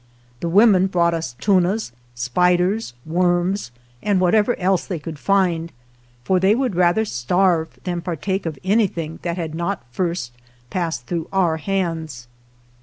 The women brought us tunas, spiders, worms, and whatever else they could find, for they would rather starve than partake of any thing that had not first passed through our hands.